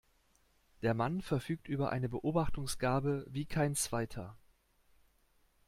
Der Mann verfügt über eine Beobachtungsgabe wie kein zweiter.